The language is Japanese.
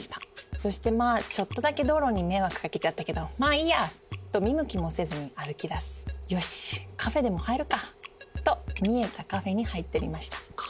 そしてまあちょっとだけ道路に迷惑かけちゃったけどまあいいやと見向きもせずに歩き出すよしカフェでも入るかと見えたカフェに入ってみました